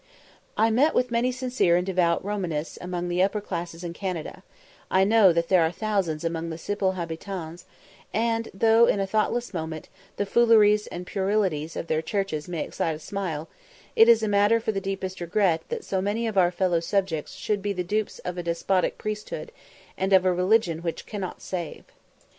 I met with many sincere and devout Romanists among the upper classes in Canada; I know that there are thousands among the simple habitans; and though, in a thoughtless moment, the fooleries and puerilities of their churches may excite a smile, it is a matter for the deepest regret that so many of our fellow subjects should be the dupes of a despotic priesthood, and of a religion which cannot save.